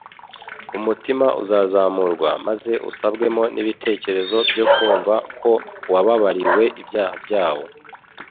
Umutima uzazamurwa maze usabwemo n'ibitekerezo byo kumva ko wababariwe ibyaha byawo.